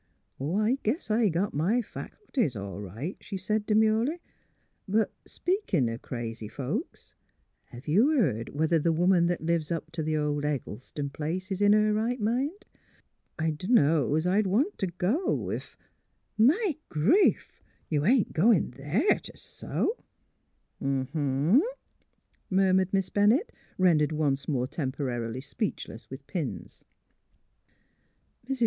*' Oh, I guess I got my faculties, all right," she said, demurely. '' But speakin' o' crazy folks; hev you beared whether the woman that lives up to th' old Eggleston place is in her right mind? I dunno 's I'd want t' go, if "" My grief! You ain't goin' there t' sew? " MALVINA POINTS A MORAL 175 '* M m huh," murmured Miss Bennett, rendered once more temporarily speechless with pins. Mrs.